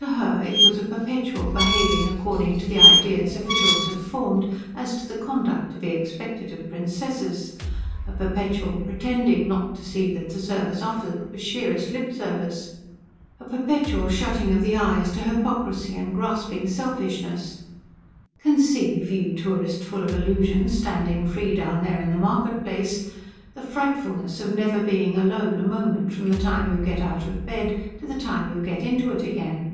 To her it was a perpetual behaving according to the ideas officials had formed as to the conduct to be expected of princesses, a perpetual pretending not to see that the service offered was sheerest lip service, a perpetual shutting of the eyes to hypocrisy and grasping selfishness. Conceive, you tourist full of illusions standing free down there in the market place, the frightfulness of never being alone a moment from the time you get out of bed to the time you get into it again.